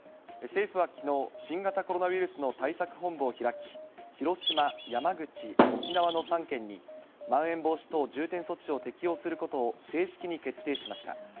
政府はきのう、新型コロナウイルスの対策本部を開き、広島、山口、沖縄の３県に、まん延防止等重点措置を適用することを正式に決定しました。